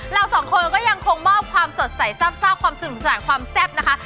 เราสองคนก็ยังคงมอบความสดใสแซ่บความสนุกสนานความแซ่บนะคะ